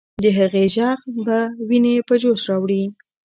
د هغې ږغ به ويني په جوش راوړي.